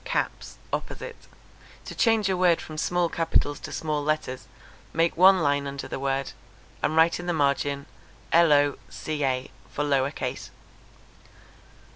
caps._ opposite. To change a word from small capitals to small letters, make one line under the word, and write in the margin lo. ca., for 'lower case.'